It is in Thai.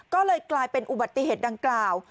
ก็เลยกลายเป็นอุบัติเหตุดังกล่าว